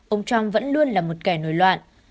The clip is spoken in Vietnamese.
ông trump vẫn luôn là một kẻ nổi loạn